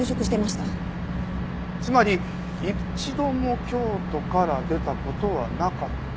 つまり一度も京都から出た事はなかった？